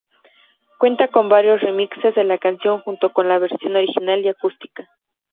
Cuenta con varios remixes de la canción junto con la versión original y acústica.